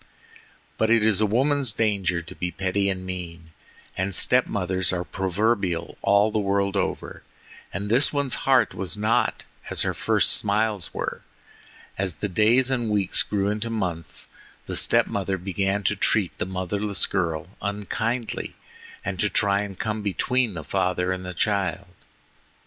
But it is a woman's danger to be petty and mean, and step mothers are proverbial all the world over, and this one's heart was not as her first smiles were. As the days and weeks grew into months, the step mother began to treat the motherless girl unkindly and to try and come between the father and child.